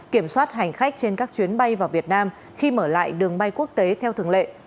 kiểm soát hành khách trên các chuyến bay vào việt nam khi mở lại đường bay quốc tế theo thường lệ